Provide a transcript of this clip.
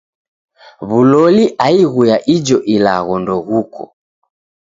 W'uloli aighu ya ijo ilagho ndeghuko.